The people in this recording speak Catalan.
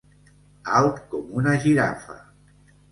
Alt com una girafa.